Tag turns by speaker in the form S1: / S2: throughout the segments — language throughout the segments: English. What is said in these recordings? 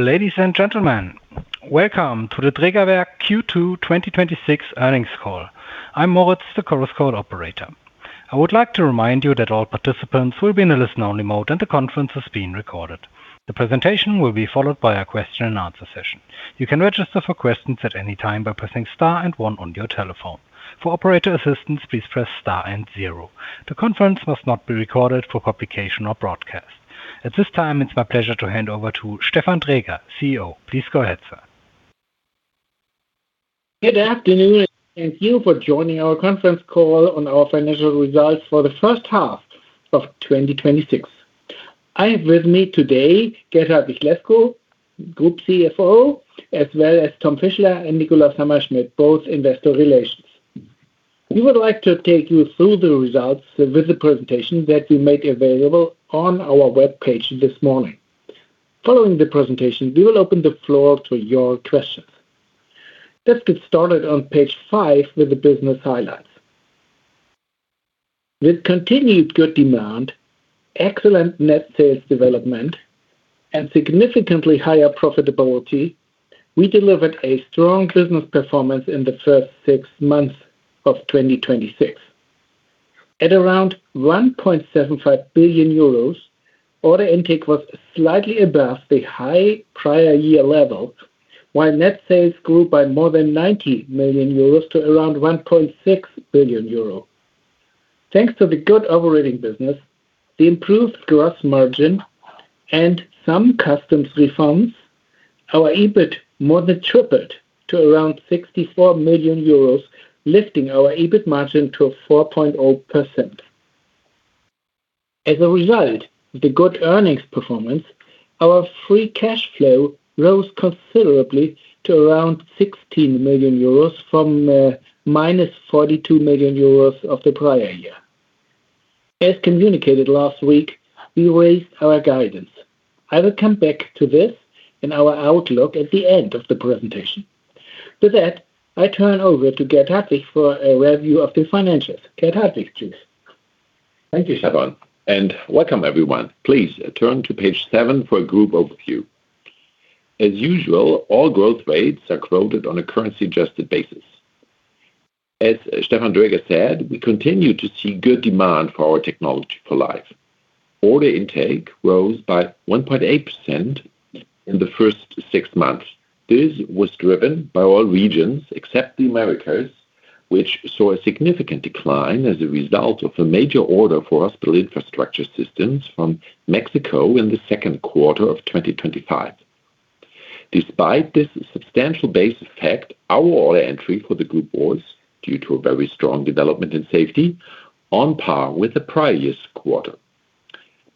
S1: Ladies and gentlemen, welcome to the Drägerwerk Q2 2026 earnings call. I'm Moritz, the conference call operator. I would like to remind you that all participants will be in a listen-only mode and the conference is being recorded. The presentation will be followed by a question and answer session. You can register for questions at any time by pressing star and one on your telephone. For operator assistance, please press star and zero. The conference must not be recorded for publication or broadcast. At this time, it's my pleasure to hand over to Stefan Dräger, CEO. Please go ahead, sir.
S2: Good afternoon. Thank you for joining our conference call on our financial results for the first half of 2026. I have with me today Gert-Hartwig Lescow, Group CFO, as well as Thomas Fischler and Nikolaus Hammerschmidt, both investor relations. We would like to take you through the results with the presentation that we made available on our Webpage this morning. Following the presentation, we will open the floor to your questions. Let's get started on page five with the business highlights. With continued good demand, excellent net sales development, and significantly higher profitability, we delivered a strong business performance in the first six months of 2026. At around 1.75 billion euros, order intake was slightly above the high prior year level, while net sales grew by more than 90 million euros to around 1.6 billion euro. Thanks to the good operating business, the improved gross margin, and some customs refunds, our EBIT more than tripled to around 64 million euros, lifting our EBIT margin to 4.0%. As a result of the good earnings performance, our free cash flow rose considerably to around 16 million euros from minus 42 million euros of the prior year. As communicated last week, we raised our guidance. I will come back to this in our outlook at the end of the presentation. To that, I turn over to Gert-Hartwig for a review of the financials. Gert-Hartwig Lescow.
S3: Thank you, Stefan. Welcome everyone. Please turn to page seven for a group overview. As usual, all growth rates are quoted on a currency-adjusted basis. As Stefan Dräger said, we continue to see good demand for our technology for life. Order intake rose by 1.8% in the first six months. This was driven by all regions except the Americas, which saw a significant decline as a result of a major order for hospital infrastructure systems from Mexico in the second quarter of 2025. Despite this substantial base effect, our order entry for the group was, due to a very strong development in safety, on par with the prior year's quarter.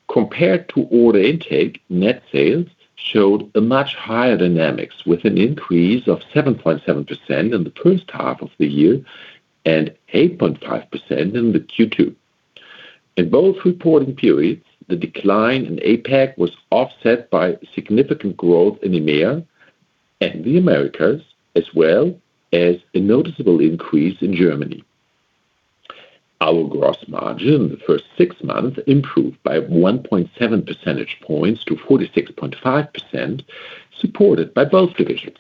S3: Compared to order intake, net sales showed a much higher dynamics, with an increase of 7.7% in the first half of the year and 8.5% in the Q2. In both reporting periods, the decline in APAC was offset by significant growth in EMEA and the Americas, as well as a noticeable increase in Germany. Our gross margin in the first six months improved by 1.7 percentage points to 46.5%, supported by both divisions.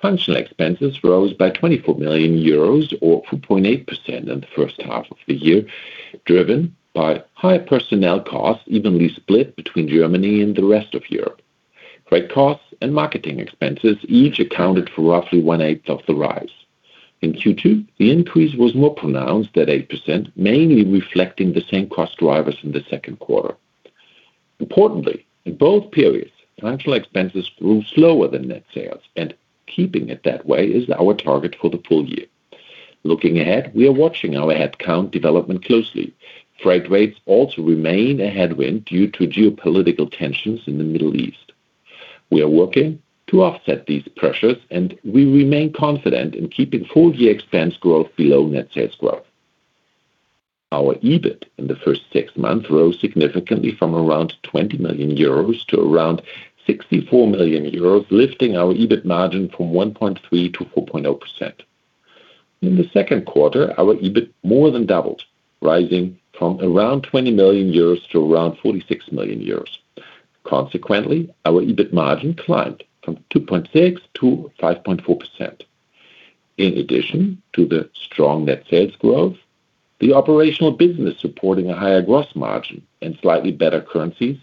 S3: Functional expenses rose by 24 million euros, or 4.8% in the first half of the year, driven by high personnel costs evenly split between Germany and the rest of Europe. Freight costs and marketing expenses each accounted for roughly 1/8 of the rise. In Q2, the increase was more pronounced at 8%, mainly reflecting the same cost drivers in the second quarter. Importantly, in both periods, financial expenses grew slower than net sales, and keeping it that way is our target for the full year. Looking ahead, we are watching our headcount development closely. Freight rates remain a headwind due to geopolitical tensions in the Middle East. We are working to offset these pressures, and we remain confident in keeping full-year expense growth below net sales growth. Our EBIT in the first six months rose significantly from around 20 million euros to around 64 million euros, lifting our EBIT margin from 1.3%-4.0%. In the second quarter, our EBIT more than doubled, rising from around 20 million euros to around 46 million euros. Consequently, our EBIT margin climbed from 2.6%-5.4%. In addition to the strong net sales growth, the operational business supporting a higher gross margin and slightly better currencies,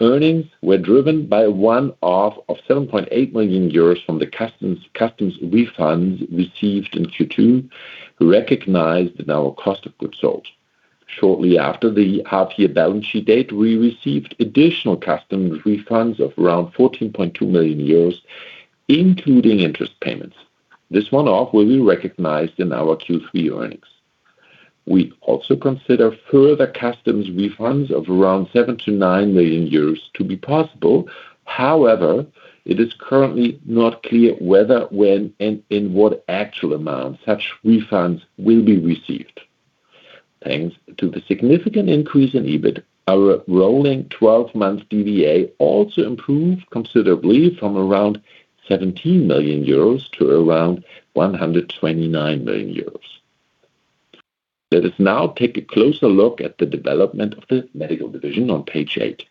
S3: earnings were driven by one half of 7.8 million euros from the customs refunds received in Q2, recognized in our cost of goods sold. Shortly after the half year balance sheet date, we received additional customs refunds of around 14.2 million euros, including interest payments. This one-off will be recognized in our Q3 earnings. We consider further customs refunds of around 7 million-9 million euros to be possible. It is currently not clear whether, when, and in what actual amount such refunds will be received. Thanks to the significant increase in EBIT, our rolling 12-month DVA also improved considerably from around 17 million euros to around 129 million euros. Let us now take a closer look at the development of the medical division on page eight.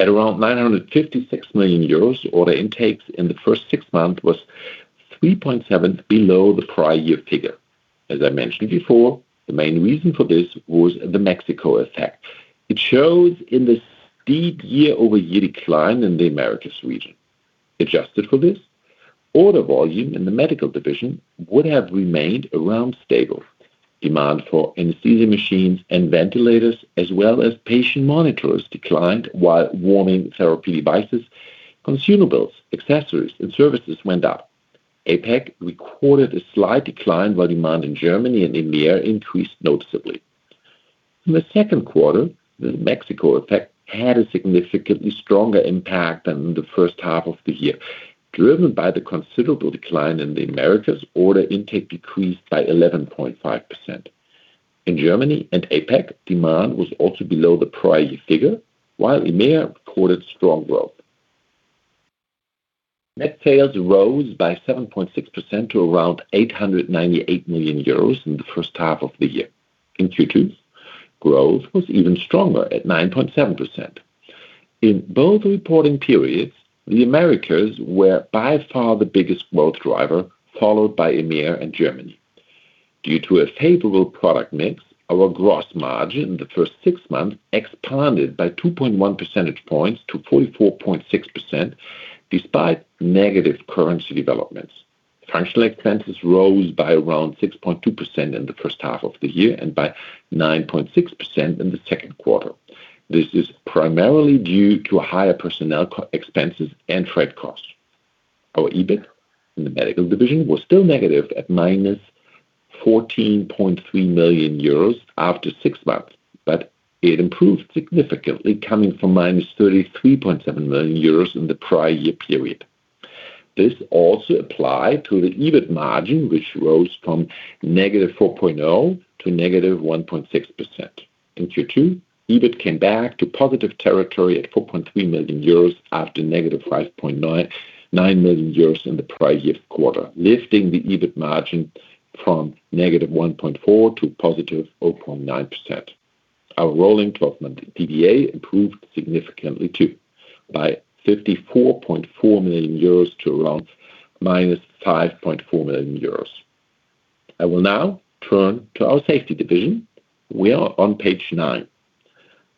S3: At around 956 million euros, order intakes in the first six months was 3.7 below the prior year figure. As I mentioned before, the main reason for this was the Mexico effect. It shows in the steep year-over-year decline in the Americas region. Adjusted for this, order volume in the medical division would have remained around stable. Demand for anesthesia machines and ventilators, as well as patient monitors, declined while warming therapy devices, consumables, accessories, and services went up. APAC recorded a slight decline while demand in Germany and EMEA increased noticeably. In the second quarter, the Mexico effect had a significantly stronger impact than in the first half of the year. Driven by the considerable decline in the Americas, order intake decreased by 11.5%. In Germany and APAC, demand was below the prior year figure, while EMEA recorded strong growth. Net sales rose by 7.6% to around 898 million euros in the first half of the year. In Q2, growth was even stronger at 9.7%. In both reporting periods, the Americas were by far the biggest growth driver, followed by EMEA and Germany. Due to a favorable product mix, our gross margin in the first six months expanded by 2.1 percentage points to 44.6%, despite negative currency developments. Functional expenses rose by around 6.2% in the first half of the year and by 9.6% in the second quarter. This is primarily due to higher personnel expenses and freight costs. Our EBIT in the medical division was still negative at minus 14.3 million euros after six months, but it improved significantly, coming from minus 33.7 million euros in the prior year period. This also applied to the EBIT margin, which rose from negative -4.0% to -1.6%. In Q2, EBIT came back to positive territory at 4.3 million euros after -5.9 million euros in the prior year quarter, lifting the EBIT margin from -1.4% to +0.9%. Our rolling 12 month DVA improved significantly too, by 54.4 million euros to around -5.4 million euros. I will now turn to our safety division we are on page nine.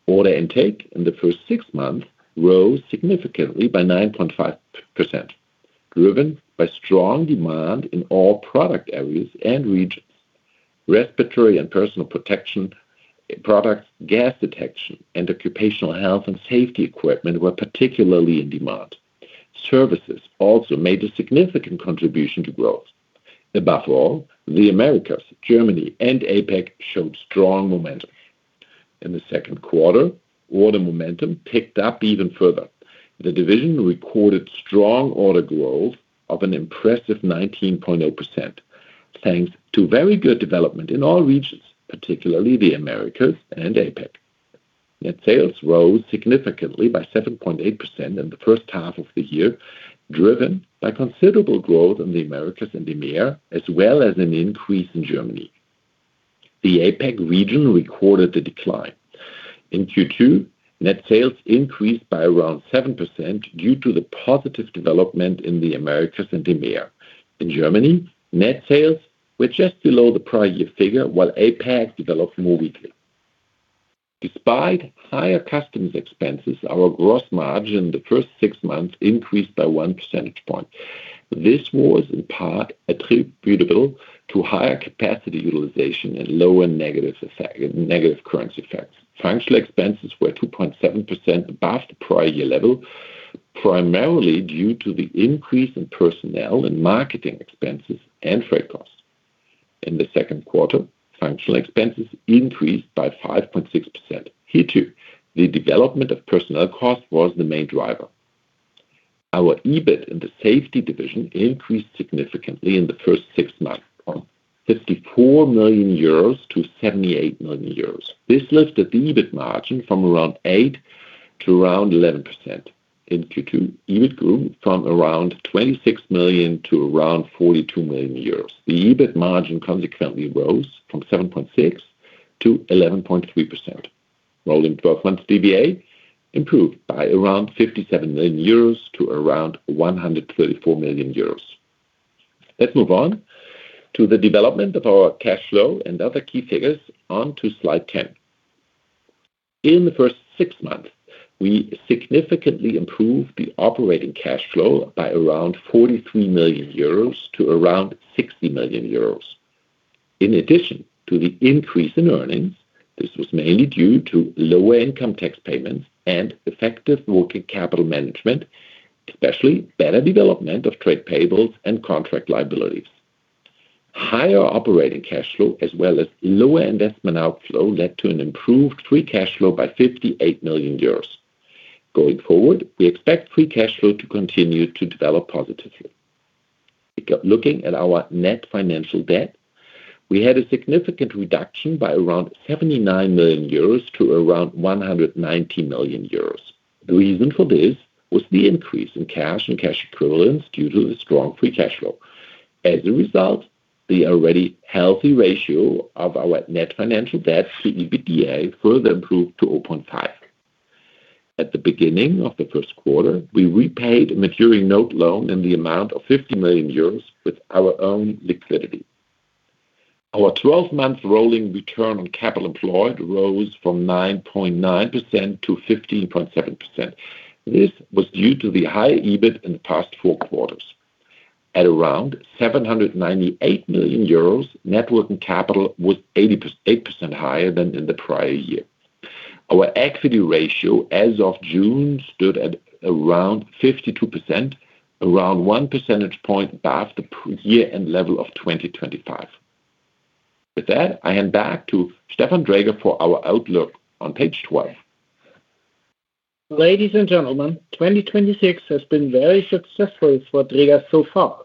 S3: Order intake in the first six months rose significantly by 9.5%, driven by strong demand in all product areas and regions. Respiratory and personal protection products, gas detection, and occupational health and safety equipment were particularly in demand. Services also made a significant contribution to growth. Above all, the Americas, Germany, and APAC showed strong momentum. In the second quarter, order momentum picked up even further. The division recorded strong order growth of an impressive 19.0%, thanks to very good development in all regions, particularly the Americas and APAC. Net sales rose significantly by 7.8% in the first half of the year, driven by considerable growth in the Americas and EMEA, as well as an increase in Germany. The APAC region recorded a decline. In Q2, net sales increased by around 7% due to the positive development in the Americas and EMEA. In Germany, net sales were just below the prior year figure, while APAC developed more weakly. Despite higher customs expenses, our gross margin in the first six months increased by one percentage point. This was in part attributable to higher capacity utilization and lower negative currency effects. Functional expenses were 2.7% above the prior year level, primarily due to the increase in personnel and marketing expenses and freight costs. In the second quarter, functional expenses increased by 5.6%. Here, too, the development of personnel costs was the main driver. Our EBIT in the safety division increased significantly in the first six months, from 54 million-78 million euros. This lifted the EBIT margin from around 8% to around 11%. In Q2, EBIT grew from around 26 million to around 42 million euros. The EBIT margin consequently rose from 7.6%-11.3%. Rolling 12 months DVA improved by around 57 million euros to around 134 million euros. Let's move on to the development of our cash flow and other key figures on to slide 10. In the first six months, we significantly improved the operating cash flow by around 43 million euros to around 60 million euros. In addition to the increase in earnings, this was mainly due to lower income tax payments and effective working capital management, especially better development of trade payables and contract liabilities. Higher operating cash flow as well as lower investment outflow led to an improved free cash flow by 58 million euros. Going forward, we expect free cash flow to continue to develop positively. Looking at our net financial debt, we had a significant reduction by around 79 million euros to around 190 million euros. The reason for this was the increase in cash and cash equivalents due to the strong free cash flow. As a result, the already healthy ratio of our net financial debt to EBITDA further improved to 0.5. At the beginning of the first quarter, we repaid a maturing loan note in the amount of 50 million euros with our own liquidity. Our 12-month rolling return on capital employed rose from 9.9%-15.7%. This was due to the high EBIT in the past four quarters. At around 798 million euros, net working capital was 88% higher than in the prior year. Our equity ratio as of June stood at around 52%, around one percentage point above the per year-end level of 2025. With that, I hand back to Stefan Dräger for our outlook on page 12.
S2: Ladies and gentlemen, 2026 has been very successful for Dräger so far.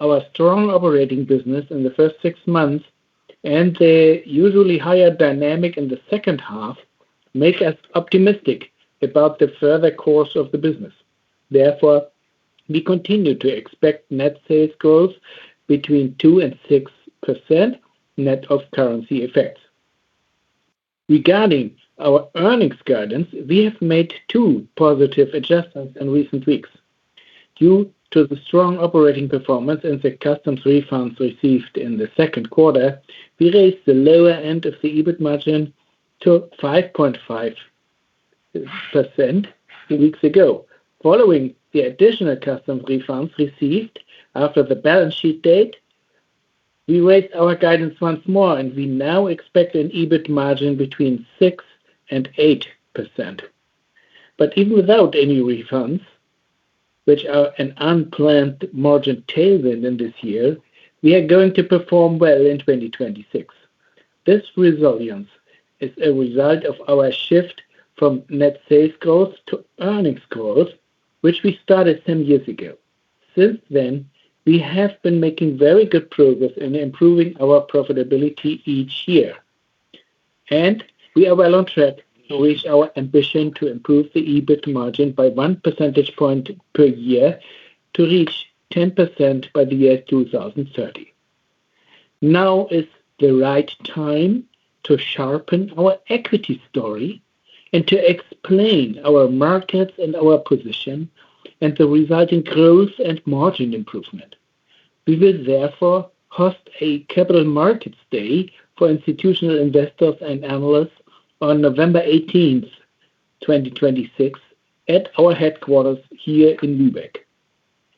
S2: Our strong operating business in the first six months and the usually higher dynamic in the second half make us optimistic about the further course of the business. We continue to expect net sales growth between 2% and 6% net of currency effects. Regarding our earnings guidance, we have made two positive adjustments in recent weeks. Due to the strong operating performance and the customs refunds received in the second quarter, we raised the lower end of the EBIT margin to 5.5% two weeks ago. Following the additional customs refunds received after the balance sheet date, we raised our guidance once more, and we now expect an EBIT margin between 6% and 8%. Even without any refunds, which are an unplanned margin tailwind in this year, we are going to perform well in 2026. This resilience is a result of our shift from net sales growth to earnings growth, which we started 10 years ago. Since then, we have been making very good progress in improving our profitability each year, and we are well on track to reach our ambition to improve the EBIT margin by one percentage point per year to reach 10% by the year 2030. Now is the right time to sharpen our equity story and to explain our markets and our position and the resulting growth and margin improvement. We will host a capital markets day for institutional investors and analysts on November 18th, 2026, at our headquarters here in Lübeck.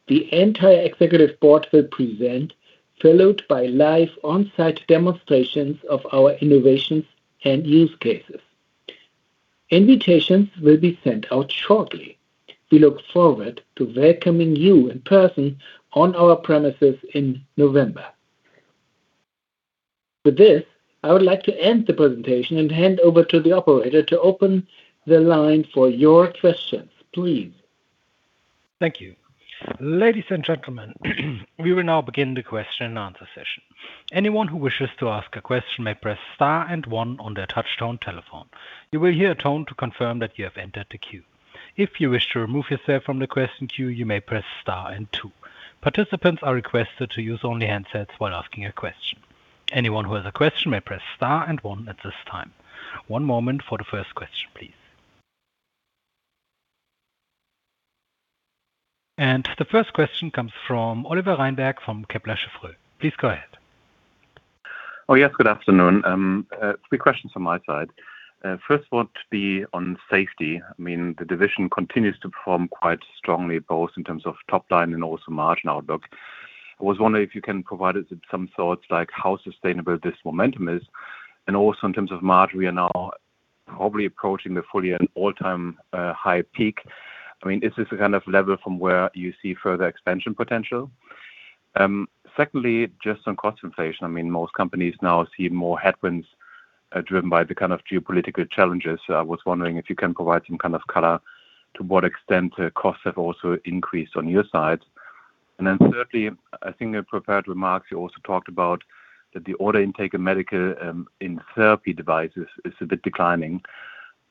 S2: The entire executive board will present, followed by live on-site demonstrations of our innovations and use cases. Invitations will be sent out shortly. We look forward to welcoming you in person on our premises in November. With this, I would like to end the presentation and hand over to the operator to open the line for your questions, please.
S1: Thank you. Ladies and gentlemen, we will now begin the question and answer session. Anyone who wishes to ask a question may press star and one on their touchtone telephone. You will hear a tone to confirm that you have entered the queue. If you wish to remove yourself from the question queue, you may press star and two. Participants are requested to use only handsets while asking a question. Anyone who has a question may press star and one at this time. One moment for the first question, please. The first question comes from Oliver Reinberg from Kepler Cheuvreux. Please go ahead.
S4: Oh, yes. Good afternoon. Three questions from my side. First one to be on safety. I mean, the division continues to perform quite strongly, both in terms of top line and also margin outlook. I was wondering if you can provide us with some thoughts, like how sustainable this momentum is. Also in terms of margin, we are now probably approaching the full year and all-time high peak. I mean, is this a kind of level from where you see further expansion potential? Secondly, just on cost inflation. I mean, most companies now see more headwinds driven by the kind of geopolitical challenges. I was wondering if you can provide some kind of color to what extent costs have also increased on your side. Thirdly, I think in your prepared remarks, you also talked about that the order intake in medical and in therapy devices is a bit declining.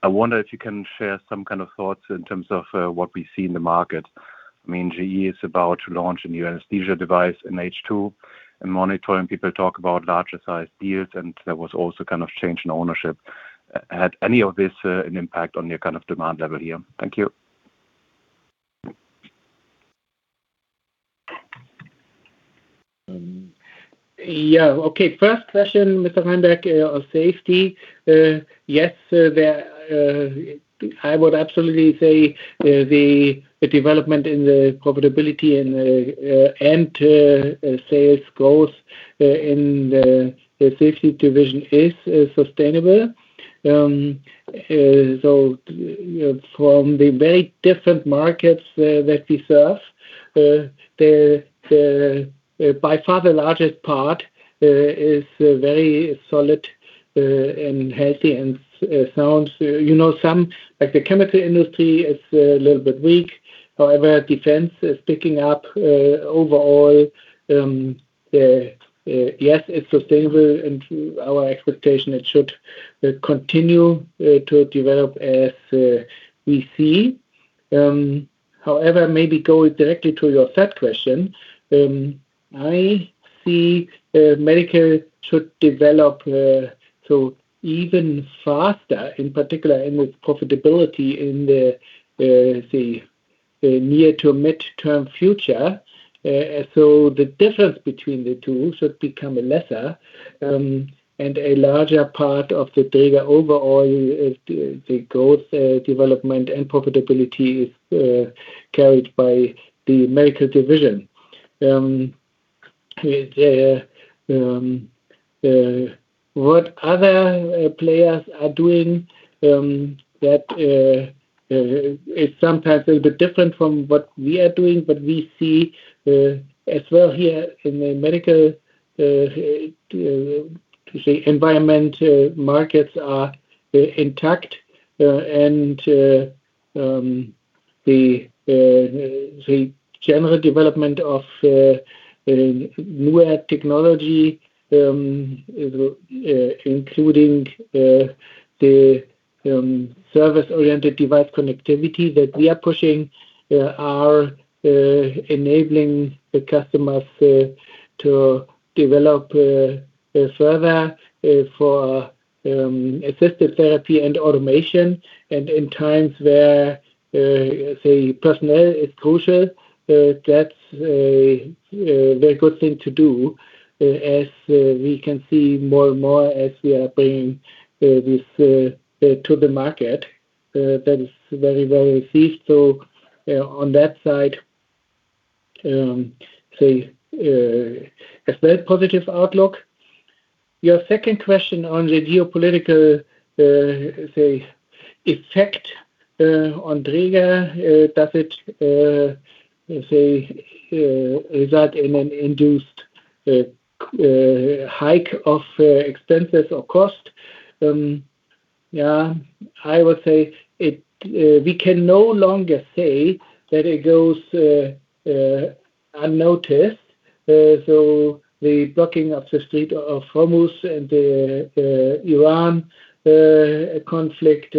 S4: I wonder if you can share some kind of thoughts in terms of what we see in the market. I mean, GE is about to launch a new anesthesia device in H2. In monitoring, people talk about larger sized deals, and there was also kind of change in ownership. Had any of this an impact on your kind of demand level here? Thank you.
S2: Okay. First question, Mr. Reinberg, of safety. Yes, I would absolutely say the development in the profitability and sales growth in the safety division is sustainable. From the very different markets that we serve, by far the largest part is very solid and healthy and sound. Some, like the chemical industry, is a little bit weak. However, defense is picking up overall. Yes, it's sustainable, and our expectation, it should continue to develop as we see. However, maybe going directly to your third question, I see medical should develop even faster, in particular and with profitability in the near to midterm future. The difference between the two should become lesser, and a larger part of the Dräger overall is the growth, development, and profitability is carried by the medical division. What other players are doing, that is sometimes a little bit different from what we are doing, but we see as well here in the medical environment, markets are intact. The general development of new technology, including the service-oriented device connectivity that we are pushing, are enabling the customers to develop further for assisted therapy and automation. In times where personnel is crucial, that's a very good thing to do, as we can see more and more as we are bringing this to the market. That is very well received. On that side, a very positive outlook. Your second question on the geopolitical effect on Dräger. Does it result in an induced hike of expenses or cost? I would say, we can no longer say that it goes unnoticed. The blocking of the Strait of Hormuz and the Iran conflict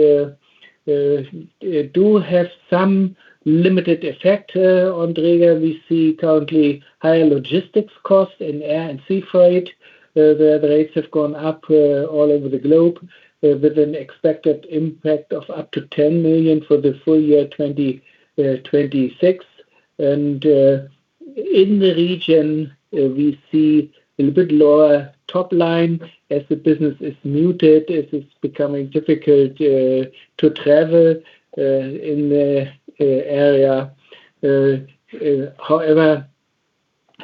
S2: do have some limited effect on Dräger. We see currently higher logistics costs in air and sea freight. The rates have gone up all over the globe with an expected impact of up to 10 million for the full year 2026. In the region, we see a little bit lower top line as the business is muted, as it's becoming difficult to travel in the area. However,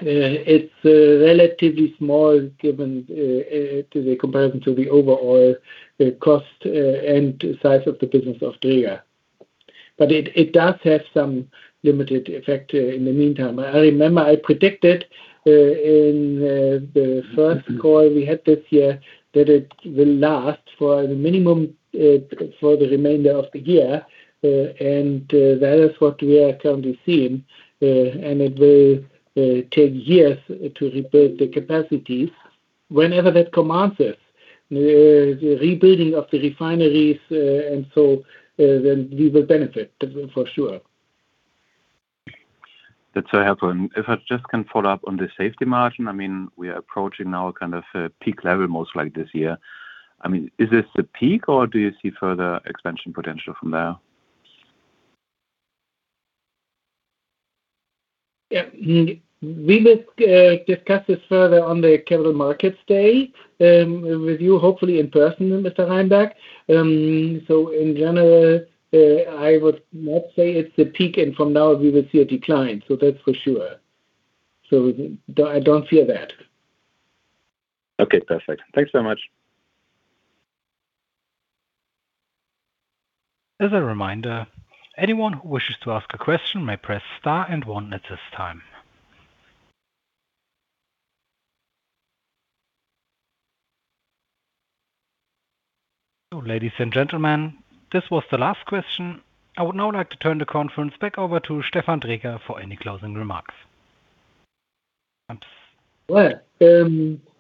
S2: it's relatively small given the comparison to the overall cost and size of the business of Dräger. It does have some limited effect in the meantime. I remember I predicted in the first call we had this year that it will last for the remainder of the year. That is what we are currently seeing. It will take years to rebuild the capacities. Whenever that commences, the rebuilding of the refineries, we will benefit, for sure.
S4: That's very helpful. If I just can follow up on the safety margin. We are approaching now a kind of a peak level most likely this year. Is this the peak, or do you see further expansion potential from there?
S2: Yeah. We will discuss this further on the capital markets day, with you hopefully in person, Mr. Reinberg. In general, I would not say it's the peak and from now we will see a decline, that's for sure. I don't fear that.
S4: Okay, perfect. Thanks so much.
S1: As a reminder, anyone who wishes to ask a question may press star and one at this time. Ladies and gentlemen, this was the last question. I would now like to turn the conference back over to Stefan Dräger for any closing remarks. Thanks.
S2: Well,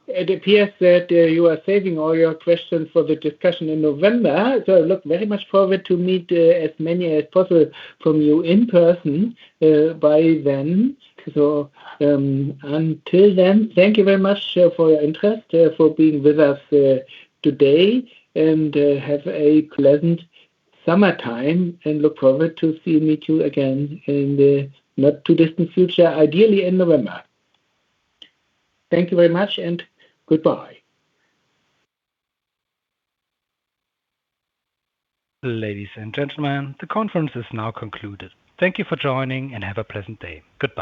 S2: it appears that you are saving all your questions for the discussion in November. I look very much forward to meet as many as possible from you in person by then. Until then, thank you very much for your interest, for being with us today, and have a pleasant summertime, and look forward to meet you again in the not too distant future, ideally in November. Thank you very much, and goodbye.
S1: Ladies and gentlemen, the conference is now concluded. Thank you for joining, and have a pleasant day. Goodbye.